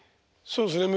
そうですね。